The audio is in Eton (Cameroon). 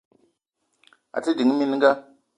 A te ding mininga.